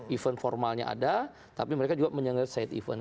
event formalnya ada tapi mereka juga menyangkut side event